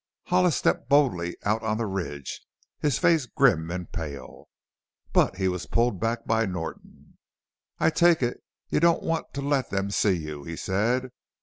Hollis stepped boldly out on the ridge, his face grim and pale. But he was pulled back by Norton. "I take it you don't want to let them see you," he said.